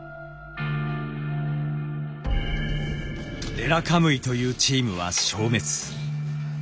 レラカムイというチームは消滅。